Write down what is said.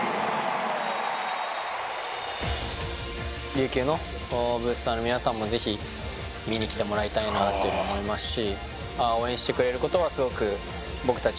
琉球のブースターの皆さんもぜひ見に来てもらいたいなって思いますし。